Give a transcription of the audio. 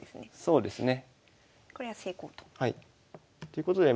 そうですね。